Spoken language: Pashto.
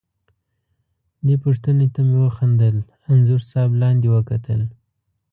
دې پوښتنې ته مې وخندل، انځور صاحب لاندې وکتل.